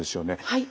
はい。